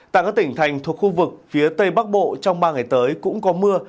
tại các tỉnh thành thuộc khu vực phía tây bắc bộ trong ba ngày tới cũng có mưa